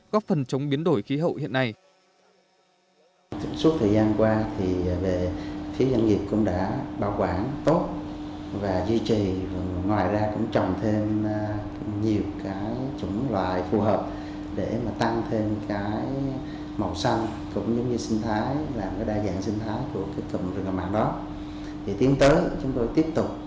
góp phần chống biến đổi khí hậu hiện nay